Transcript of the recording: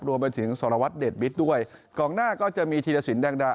รวมไปถึงสรวรรค์เดชบิตด้วยกล่องหน้าก็จะมีธีรศิลป์แดงดา